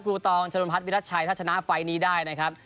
ตองชนพัฒนวิรัชชัยถ้าชนะไฟล์นี้ได้นะครับ